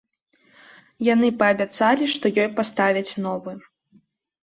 Яны паабяцалі, што ёй паставяць новы.